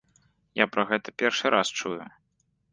Я пра гэта першы раз чую.